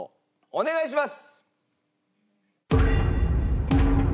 お願いします！